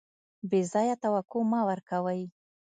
بې ځایه توقع مه ورکوئ.